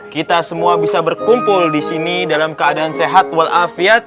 kita semua bisa berkumpul disini dalam keadaan sehat walafiat